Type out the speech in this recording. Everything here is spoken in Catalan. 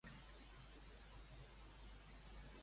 Què va suposar la revolta per a Paul?